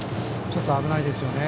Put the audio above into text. ちょっと危ないですね。